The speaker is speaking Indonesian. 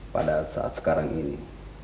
pada saat sekarang ini